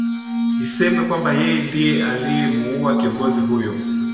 iseme kwamba yeye ndie aliemuua kiongozi huyo